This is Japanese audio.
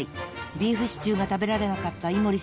［ビーフシチューが食べられなかった井森さん］